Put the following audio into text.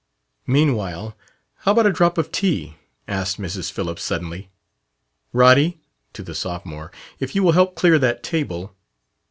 "Meanwhile, how about a drop of tea?" asked Mrs. Phillips suddenly. "Roddy" to the sophomore "if you will help clear that table...."